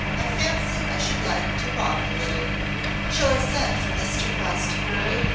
'I fancy I should like to walk a little.' 'Shall I send for Mr. Glastonbury?